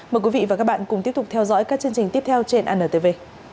mời quý vị và các bạn cùng tiếp tục theo dõi các chương trình tiếp theo trên antv